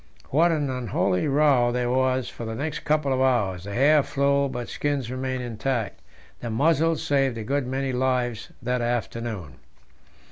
What an unholy row there was for the next couple of hours! The hair flew, but skins remained intact. The muzzles saved a good many lives that afternoon.